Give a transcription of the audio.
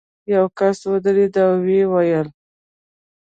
یو کس ودرېد او ویې ویل.